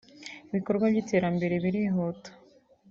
ibikorwa by’iterambere birihuta